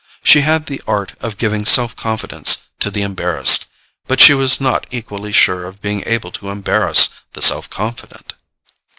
She had the art of giving self confidence to the embarrassed, but she was not equally sure of being able to embarrass the self confident.